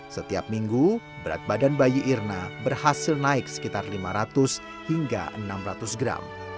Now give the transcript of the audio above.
setiap minggu berat badan bayi irna berhasil naik sekitar lima ratus hingga enam ratus gram